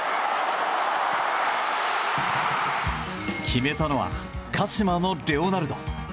決めたのは鹿島のレオナルド。